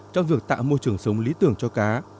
trong việc tạo môi trường sống lý tưởng cho cá